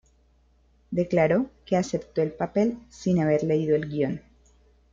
Declaró que aceptó el papel sin haber leído el guion.